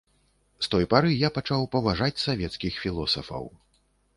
З той пары я пачаў паважаць савецкіх філосафаў.